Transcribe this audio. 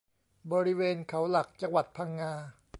บริเวณเขาหลักจังหวัดพังงา